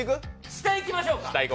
下行きましょうか。